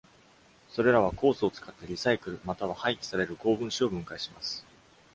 それらは酵素を使って、リサイクルまたは廃棄される高分子を分解します。